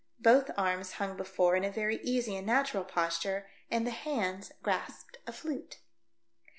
Both arms hung before in a very easy and natural posture and the hands grasped a flute.